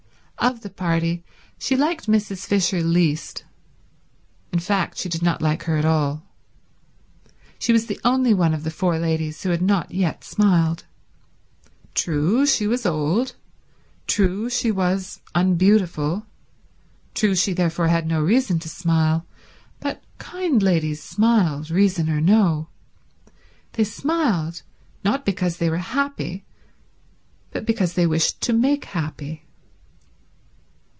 Of the party she liked Mrs. Fisher least, in fact she did not like her at all. She was the only one of the four ladies who had not yet smiled. True she was old, true she was unbeautiful, true she therefore had no reason to smile, but kind ladies smiled, reason or no. They smiled, not because they were happy but because they wished to make happy.